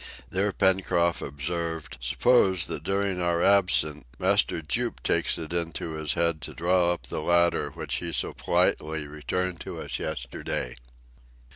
There Pencroft observed, "Suppose, that during our absence, Master Jup takes it into his head to draw up the ladder which he so politely returned to us yesterday?"